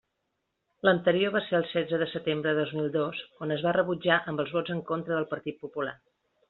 L'anterior va ser el setze el setembre de dos mil dos on es va rebutjar amb els vots en contra del Partit Popular.